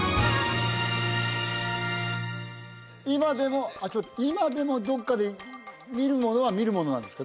今でも今でもどっかで見るものは見るものなんですか？